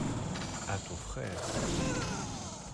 à ton frère.